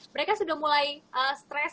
mereka sudah mulai stres